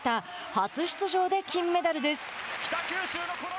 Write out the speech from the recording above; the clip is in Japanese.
初出場で金メダルです。